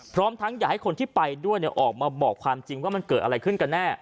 พร้อมทั้งอยากให้คนที่ไปด้วยออกมาบอกความจริงว่ามันเกิดอะไรขึ้นกันแน่